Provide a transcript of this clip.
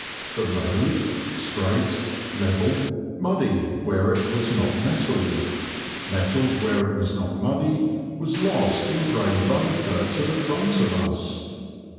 The road, straight, level, muddy where it was not metalled, metalled where it was not muddy, was lost in grey vapour to the front of us.